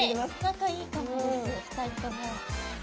仲いいかもです２人とも。